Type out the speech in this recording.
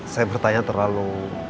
saya bertanya terlalu